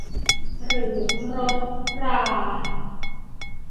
หรือรถรา